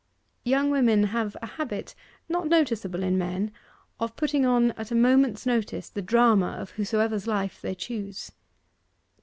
Young women have a habit, not noticeable in men, of putting on at a moment's notice the drama of whosoever's life they choose.